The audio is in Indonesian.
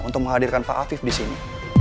untuk menghadirkan pak afif disini